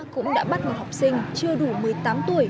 cũng đã bắt một học sinh chưa đủ một mươi tám tuổi